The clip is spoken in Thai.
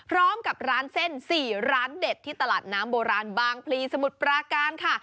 พร้อมกับร้านเส้น๔ร้านเด็ดที่ตลาดน้ำโบราณบางพลีสมุทรปราการค่ะ